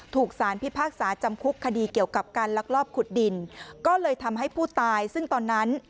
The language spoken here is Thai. ถูกสารพิพากษาจำคุกคดีเกี่ยวกับการลักลอบขุดดินก็เลยทำให้ผู้ตายซึ่งตอนนั้น